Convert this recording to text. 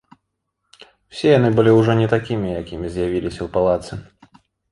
Усе яны ўжо былі не такімі, якімі з'явіліся ў палацы.